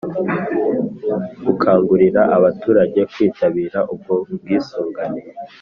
gukangurira abaturage kwitabira ubwo bwisungane